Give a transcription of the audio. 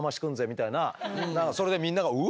みたいなそれでみんなが「う！」